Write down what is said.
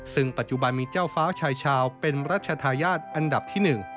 ซึ่งปัจจุบันมีเจ้าฟ้าชายชาวเป็นรัชธาญาติอันดับที่๑